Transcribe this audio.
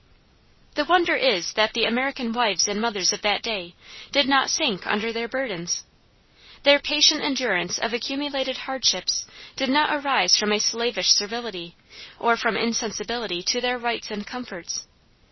The wonder is that the American wives and mothers of that day did not sink under their burdens. Their patient endurance of accumulated hardships did not arise from a slavish servility or from insensibility to their rights and comforts.